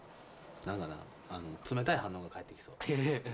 なんかな冷たい反応が返ってきそう。